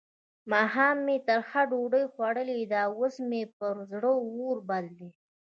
ماښام مې ترخه ډوډۍ خوړلې ده؛ اوس مې پر زړه اور بل دی.